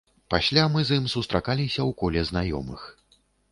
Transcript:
Пасля мы з ім сустракаліся ў коле знаёмых.